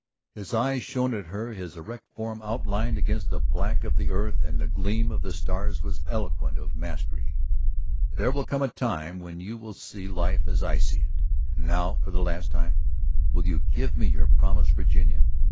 His eyes shone at her, his erect form outlined against the black of the earth and the gleam of the stars was eloquent of mastery. "There will come a time when you will see life as I see it. ... And now, for the last time, will you give me your promise, Virginia?